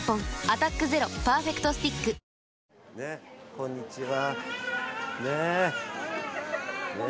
こんにちは。